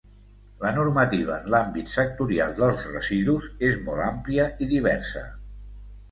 La normativa en l'àmbit sectorial dels residus és molt àmplia i diversa.